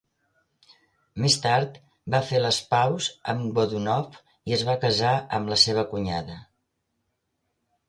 Més tard, va fer les paus amb Godunov i es va casar amb la seva cunyada.